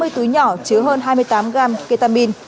hai mươi túi nhỏ chứa hơn hai mươi tám gram ketamin